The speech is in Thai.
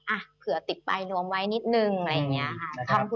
อ่ะเผื่อติดใบรวมไว้นิดนึงอะไรอย่างนี้ค่ะ